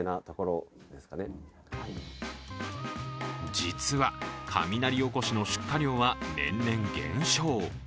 実は、雷おこしの出荷量は年々減少。